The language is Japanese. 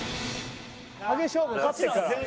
ハゲ勝負に勝ってるから。